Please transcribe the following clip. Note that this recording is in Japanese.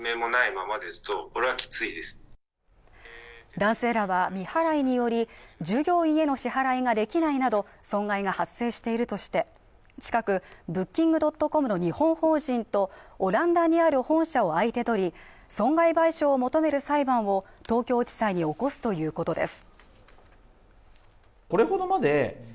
男性らは未払いにより従業員への支払いができないなど損害が発生しているとして近くブッキング・ドットコムの日本法人とオランダにある本社を相手取り損害賠償を求める裁判を東京地裁に起こすということです